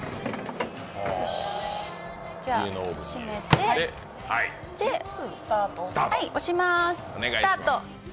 閉めて、押しまーす。スタート。